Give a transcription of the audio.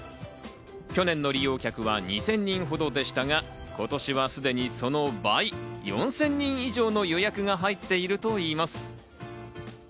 去年の利用客は２０００人ほどでしたが、今年は、すでにその倍、４０００人以上の予約が入っているといいます。